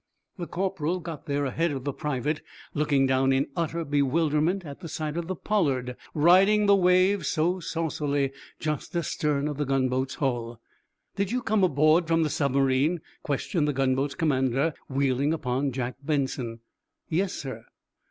The corporal got there ahead of the private, looking down in utter bewilderment at the sight of the "Pollard" riding the waves so saucily just astern of the gunboat's hull. "Did you come aboard from the submarine?" questioned the gunboat's commander, wheeling upon Jack Benson. "Yes, sir."